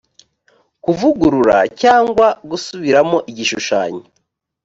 kuvugurura cyangwa gusubiramo igishushanyo